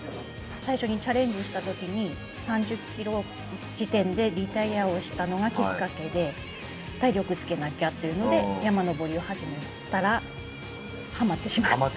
最初にチャレンジした時に３０ｋｍ時点でリタイアをしたのがきっかけで体力つけなきゃっていうので山登りを始めたらハマってしまった。